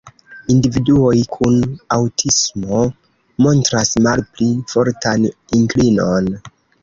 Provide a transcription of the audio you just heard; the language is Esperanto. Individuoj kun aŭtismo montras malpli fortan inklinon.